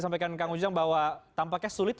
sampaikan kang ujang bahwa tampaknya sulit